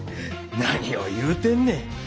何を言うてんねん。